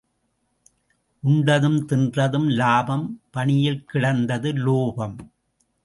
உண்டதும் தின்றதும் லாபம் பணியில் கிடந்தது லோபம்.